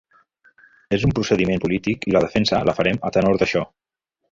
És un procediment polític i la defensa la farem a tenor d’això.